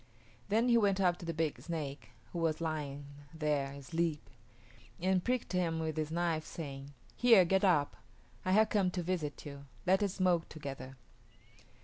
Then he went up to the big snake, who was lying there asleep, and pricked him with his knife, saying, "Here, get up; I have come to visit you. Let us smoke together."